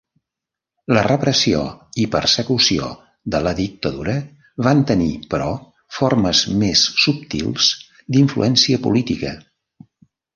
La repressió i persecució de la dictadura van tenir, però, formes més subtils d'influència política.